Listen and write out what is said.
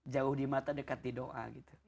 jauh di mata dekat di doa gitu